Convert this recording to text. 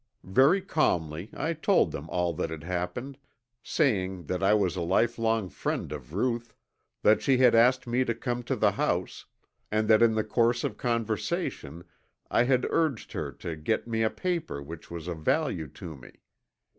Very calmly I told them all that had happened, saying that I was a life long friend of Ruth, that she had asked me to come to the house, and that in the course of conversation I had urged her to get me a paper which was of value to me.